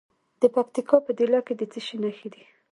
د پکتیکا په دیله کې د څه شي نښې دي؟